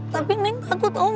tapi neng takut om